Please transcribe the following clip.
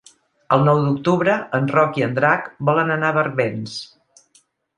El nou d'octubre en Roc i en Drac volen anar a Barbens.